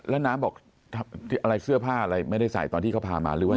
แล้วน้ำบอกอะไรเสื้อผ้าอะไรไม่ได้ใส่ตอนที่เขาพามาหรือว่า